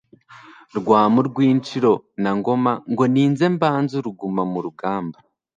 Rwamu rw' Inshiro na Ngoma Ngo ninze mbanze uruguma mu rugamba